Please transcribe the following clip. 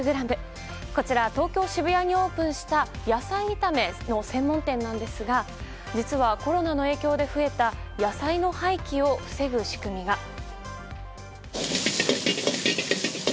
こちら東京・渋谷区にオープンした野菜炒めの専門店なんですが実はコロナの影響で増えた野菜の廃棄を防ぐ仕組みが。